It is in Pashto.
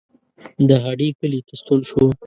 د هډې کلي ته ستون شو.